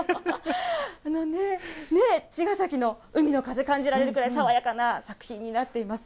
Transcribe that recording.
茅ヶ崎の海の風、感じられるくらい、爽やかな作品になっています。